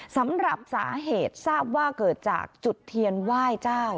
สำหรับสาเหตุทราบว่าเกิดจากจุดเทียนไหว้เจ้า